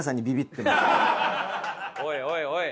おいおいおい！